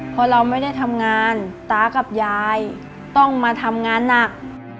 พอเราไม่ได้ทำงานตากับยายต้องมาทำงานหนัก